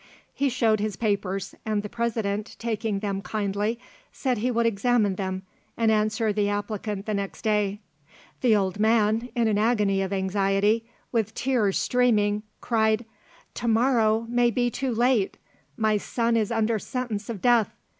He showed his papers, and the President, taking them kindly, said he would examine them, and answer the applicant the next day. The old man, in an agony of anxiety, with tears streaming, cried, "To morrow may be too late! My son is under sentence of death.